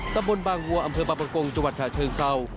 ตรงบนบางหัวอำเภอปะปะกงจังหวัดถาเชิงเศร้า